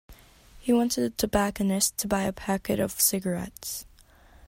He went to the tobacconists to buy a packet of cigarettes